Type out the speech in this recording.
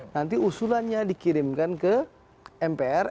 nanti usulannya dikirimkan ke mpr